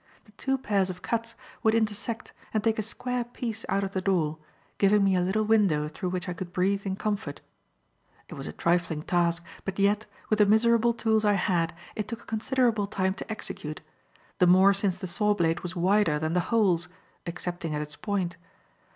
The two pairs of cuts would intersect and take a square piece out of the door, giving me a little window through which I could breathe in comfort. It was a trifling task, but yet, with the miserable tools I had, it took a considerable time to execute; the more since the saw blade was wider than the holes, excepting at its point.